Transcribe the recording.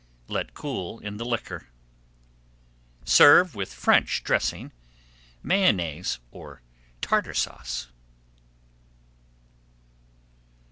Let cool in the liquor. Serve with French dressing, Mayonnaise, or Tartar Sauce.